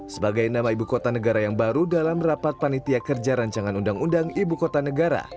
sebagai nama ibu kota negara yang baru dalam rapat panitia kerja rancangan undang undang ibu kota negara